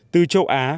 từ châu á